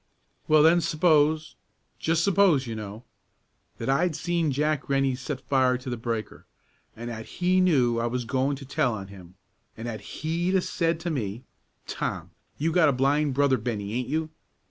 "Well, then, s'pose just s'pose, you know that I'd seen Jack Rennie set fire to the breaker, an' 'at he knew I was goin' to tell on him, an' 'at he'd 'a' said to me, 'Tom, you got a blind brother Bennie, ain't you?